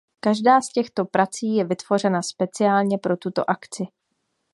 Každá z těchto prací je vytvořena speciálně pro tuto akci.